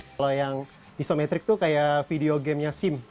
kalau yang isometrik itu kayak video game nya sim